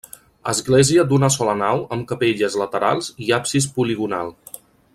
Església d'una sola nau amb capelles laterals i absis poligonal.